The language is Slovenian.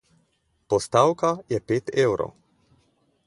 Postavka je pet evrov.